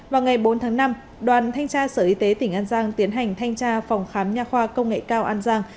vào ngày bốn tháng năm đoàn thanh tra sở y tế tỉnh an giang tiến hành thanh tra phòng khám nhà khoa công nghệ cao an giang